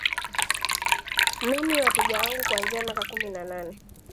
mimi wateja wangu kuanzia miaka kumi na nane